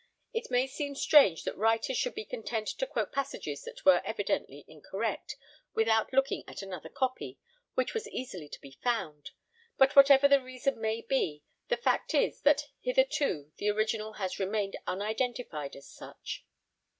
It may seem strange that writers should be content to quote passages that were evidently incorrect, without looking at another copy, which was easily to be found; but whatever the reason may be, the fact is that hitherto the original has remained unidentified as such.